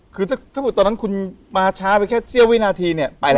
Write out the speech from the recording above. คือถ้าเกิดตอนนั้นคุณมาช้าไปแค่เสี้ยววินาทีเนี่ยไปแล้ว